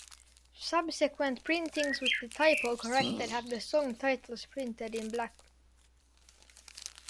Subsequent printings with the typo corrected have the song titles printed in black.